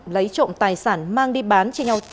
lấy trộm tài sản mang đi bán